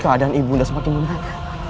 keadaan ibu udah semakin menengah